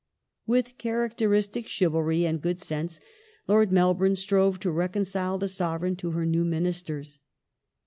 With characteristic chivalry and good sense Lord Melbourne strove to reconcile the Sovereign to her new Ministers.